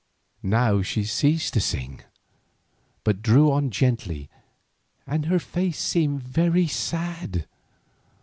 Now she ceased to sing, but drew on gently and her face seemed very sad.